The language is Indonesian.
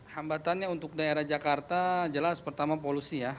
hambatannya untuk daerah jakarta jelas pertama polusi ya